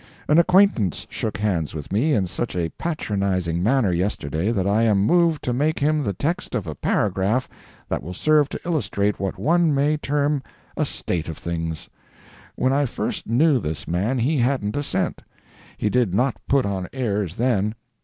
An acquaintance shook hands with me in such a patronizing manner yesterday that I am moved to make him the text of a paragraph that will serve to illustrate what one may term a "state of things." When I first knew this man he hadn't a cent. He did not put on airs then.